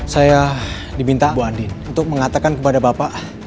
saya diminta bu adin untuk mengatakan kepada bapak